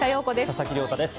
佐々木亮太です。